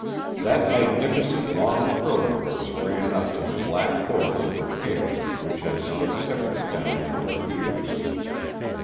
That magnificent long throat of hers ran up to the black coils of hair which had slipped heavily down over her ears.